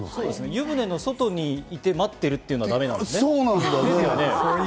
湯船の外に待っててというのはだめなんですね。